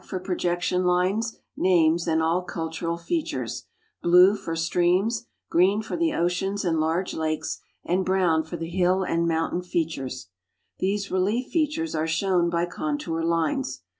r projection lines, names, and all cultural features ; blue for streams ; jjrecn for the oceans and large lakes, and brown for the hill and mountain fea tures. These relief features are shown by contour lines.